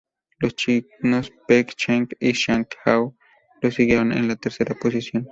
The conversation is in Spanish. Los chinos Peng Cheng y Zhang Hao les siguieron en la tercera posición.